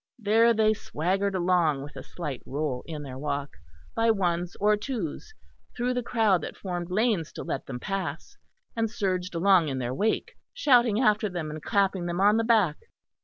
There they swaggered along with a slight roll in their walk, by ones or twos, through the crowd that formed lanes to let them pass, and surged along in their wake, shouting after them and clapping them on the back.